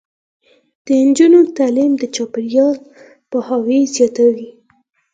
د نجونو تعلیم د چاپیریال پوهاوی زیاتوي.